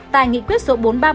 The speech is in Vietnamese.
tài nhiệm quyết sổ bộ